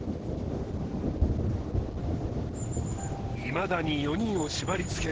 いまだに４人を縛りつける謎